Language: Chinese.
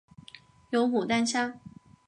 有牡丹虾